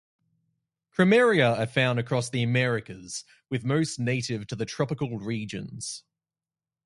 "Krameria" are found across the Americas, with most native to the tropical regions.